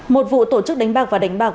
một vụ tổ chức đánh bạc và đánh bạc